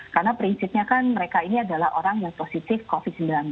karena prinsipnya kan mereka ini adalah orang yang positif covid sembilan belas